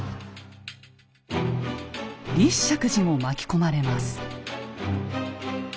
立石寺も巻き込まれます。